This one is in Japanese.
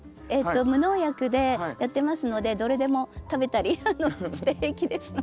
無農薬でやってますのでどれでも食べたりして平気ですので。